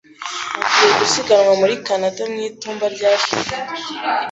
Nagiye gusiganwa muri Canada mu itumba ryashize.